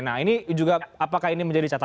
nah ini juga apakah ini menjadi catatan